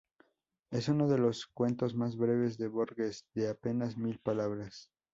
Es uno de los cuentos más breves de Borges, de apenas mil palabras.